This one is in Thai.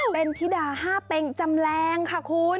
เป็นธิดา๕เป็งจำแรงค่ะคุณ